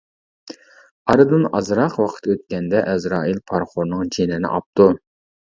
ئارىدىن ئازراق ۋاقىت ئۆتكەندە ئەزرائىل پارىخورنىڭ جېنىنى ئاپتۇ.